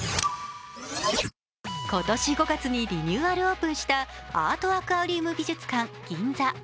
今年５月にリニューアルオープンしたアートアクアリウム美術館ＧＩＮＺＡ。